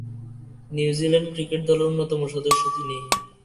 New Zealand cricket দলের অন্যতম সদস্য তিনি।